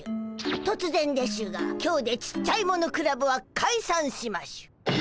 突然でしゅが今日でちっちゃいものクラブはかいさんしましゅ！